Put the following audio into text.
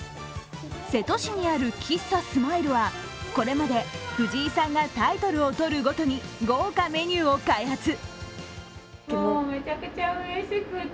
瀬戸市にある喫茶スマイルは、これまで藤井さんがタイトルをとるごとに豪華メニューを開発。